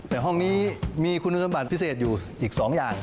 แต่ห้องนี้มีคุณสมบัติพิเศษอยู่อีก๒อย่าง